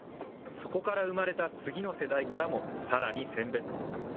そこから生まれた次の世代からも、さらに選別。